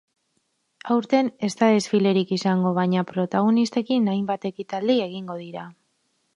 Aurten ez da desfilerik izango, baina protagonistekin hainbat ekitaldi egingo dira.